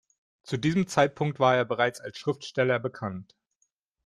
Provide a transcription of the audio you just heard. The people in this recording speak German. Zu diesem Zeitpunkt war er bereits als Schriftsteller bekannt.